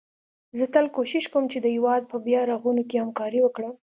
زه تل کوښښ کوم چي د هيواد په بيا رغونه کي همکاري وکړم